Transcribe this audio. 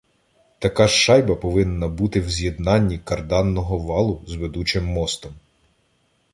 Така ж шайба повинна бути в з'єднанні карданного валу з ведучим мостом.